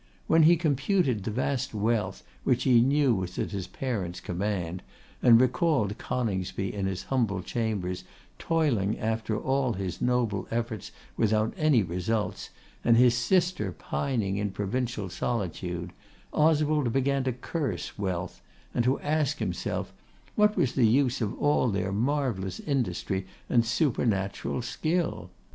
When he computed the vast wealth which he knew was at his parent's command, and recalled Coningsby in his humble chambers, toiling after all his noble efforts without any results, and his sister pining in a provincial solitude, Oswald began to curse wealth, and to ask himself what was the use of all their marvellous industry and supernatural skill?